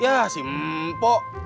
ya sih pok